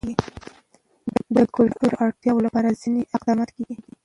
د کلیو د اړتیاوو لپاره ځینې اقدامات کېږي.